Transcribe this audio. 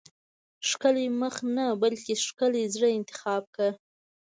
ښکلی مخ نه بلکې ښکلي زړه انتخاب کړه.